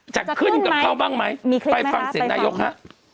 จะขึ้นกับเขาบ้างไหมมีคลิปไหมครับไปฟังเสียงนายกฮะ